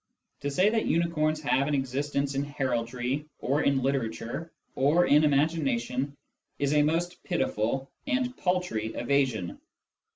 To say that unicorns have an existence in heraldry, or in literature, or in imagination, is a most pitiful and paltry evasion.